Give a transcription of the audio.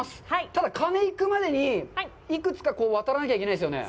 ただ鐘行くまでに幾つか渡らなきゃいけないですよね？